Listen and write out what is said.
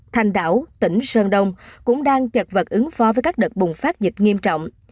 thành đảo tỉnh sơn đông cũng đang chật vật ứng phó với các đợt bùng phát dịch nghiêm trọng